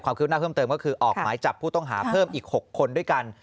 ขึ้นหน้าเพิ่มเติมก็คือออกหมายจับผู้ต้องหาเพิ่มอีก๖คนด้วยกัน